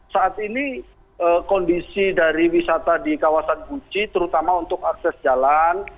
saat ini kondisi dari wisata di kawasan guci terutama untuk akses jalan